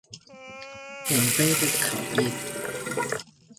火盃的考驗